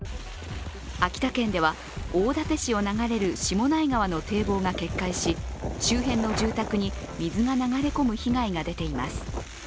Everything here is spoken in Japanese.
秋田県では、大館市を流れる下内川の堤防が決壊し周辺の住宅に水が流れ込む被害が出ています。